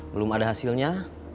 belum ada hasilnya